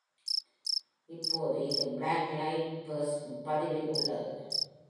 இப்போது இது black light burns பதிவில் உள்ளது.